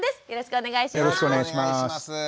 よろしくお願いします。